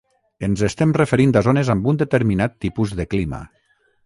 Ens estem referint a zones amb un determinat tipus de clima.